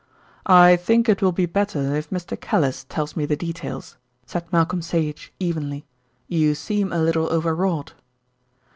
"I think it will be better if Mr. Callice tells me the details," said Malcolm Sage, evenly. "You seem a little over wrought."